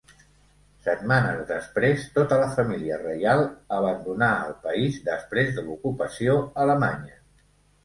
Setmanes després tota la família reial abandonà el país després de l'ocupació alemanya.